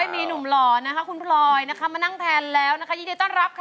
มีหนุ่มหล่อนะคะคุณพลอยนะคะมานั่งแทนแล้วนะคะยินดีต้อนรับค่ะ